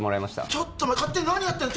ちょっと勝手に何やってんだ